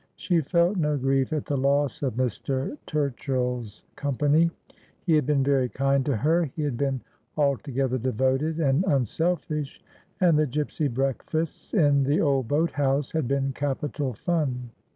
She felt no grief at the loss of Mr. Tur chill's company. He had been very kind to her, he had been altogether devoted and unselfish, and the gipsy breakfasts in the old boat bouse had been capital fun.